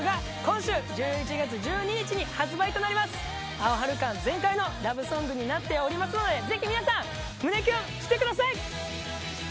アオハル感全開のラブソングになっておりますのでぜひ皆さん胸キュンしてください。